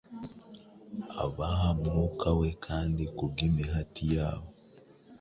Abaha Mwuka we, kandi kubw’imihati yabo,